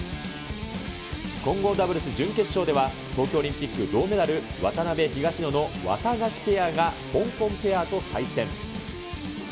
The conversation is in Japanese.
混合ダブルス準決勝では東京オリンピック銅メダル、渡辺・東野のワタガシペアが香港ペアと対戦。